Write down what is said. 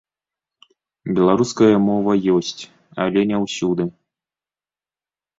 Беларуская мова ёсць, але не ўсюды.